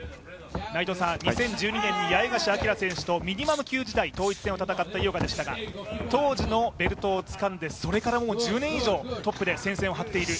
２０１２年に八重樫東選手とミニマム級時代に統一戦を戦った井岡でしたが当時のベルトをつかんでそれからもう１０年以上トップで戦線を張っている。